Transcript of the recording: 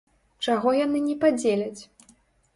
Чаго яны не падзеляць?